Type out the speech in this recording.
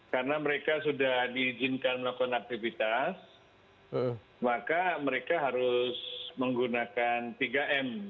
karena mereka sudah diizinkan melakukan aktivitas maka mereka harus menggunakan tiga m